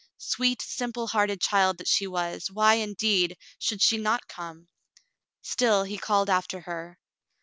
Sweet, simple hearted child that she was, why, indeed, should she not come .^ Still he called after her.